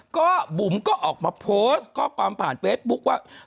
ก็บุ๋มก็ออกมาโพสต์ข้อความผ่านเฟซบุ๊คว่า